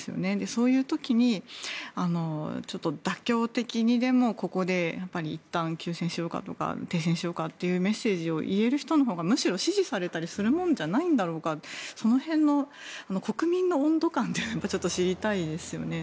そういう時に妥協的にここで、いったん休戦しようかとか停戦しようかというメッセージを言える人のほうがむしろ支持されたりするものじゃないだろうかとその辺の国民の温度感をちょっと、知りたいですね。